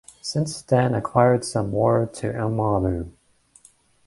She then acquired some more at Anomabu.